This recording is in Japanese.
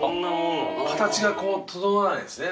形が整わないんですね